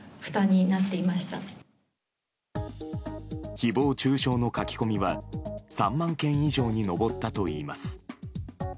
誹謗中傷の書き込みは３万件以上に上ったといいます。